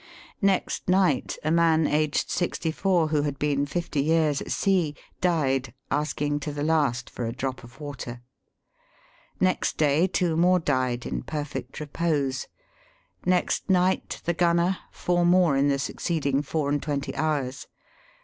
Next night, a man aged sixty four who had been fifty years at sea, died, asking to the last for a drop of water ; next day, two more died, in perfect repose ; next night, the gunner ; four more in the succeeding four and twenty hours.